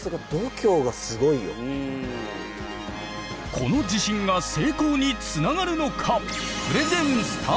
この自信が成功につながるのか？